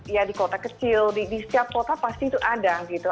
ya di kota kecil di setiap kota pasti itu ada gitu